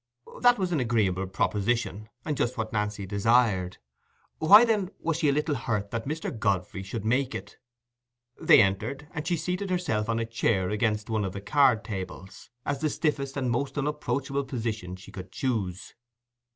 That was an agreeable proposition, and just what Nancy desired; why, then, was she a little hurt that Mr. Godfrey should make it? They entered, and she seated herself on a chair against one of the card tables, as the stiffest and most unapproachable position she could choose.